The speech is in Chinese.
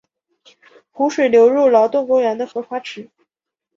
湖水流入劳动公园的荷花池。